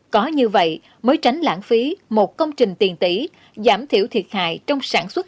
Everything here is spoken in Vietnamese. có như vậy mới tránh lãng phí một công trình tiền tỷ giảm thiểu thiệt hại trong sản xuất